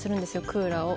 クーラーを。